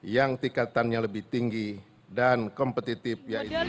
yang tingkatannya lebih tinggi dan kompetitif